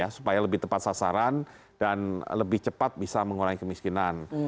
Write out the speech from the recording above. supaya lebih tepat sasaran dan lebih cepat bisa mengurangi kemiskinan